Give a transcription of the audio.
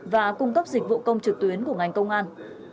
và cung cấp dịch vụ công trực tuyến của ngành công an